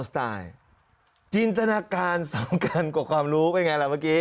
สไตล์จินตนาการสำคัญกว่าความรู้เป็นไงล่ะเมื่อกี้